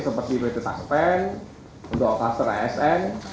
seperti wg taspen untuk oplaster asn